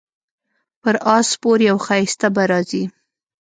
پر اس سپور یو ښایسته به راځي